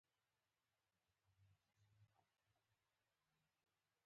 یو سل او پنځمه پوښتنه د قرارداد ځنډول دي.